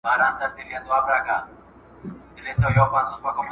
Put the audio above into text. شاعر په خپل کلام کې د زړه د ارمانونو یادونه کوي.